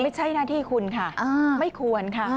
ไม่ใช่หน้าที่คุณค่ะไม่ควรค่ะ